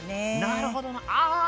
なるほどなああ！